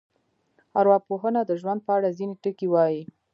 ارواپوهنه د ژوند په اړه ځینې ټکي وایي.